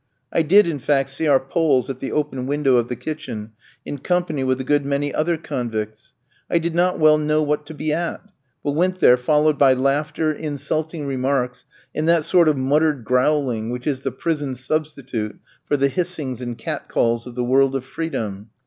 I did in fact see our Poles at the open window of the kitchen, in company with a good many other convicts. I did not well know what to be at; but went there followed by laughter, insulting remarks, and that sort of muttered growling which is the prison substitute for the hissings and cat calls of the world of freedom.